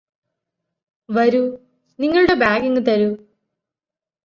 വരൂ നിങ്ങളുടെ ബാഗ് ഇങ്ങുതരൂ